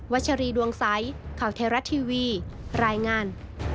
ชัชรีดวงใสข่าวเทราะทีวีรายงาน